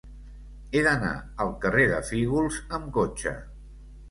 He d'anar al carrer de Fígols amb cotxe.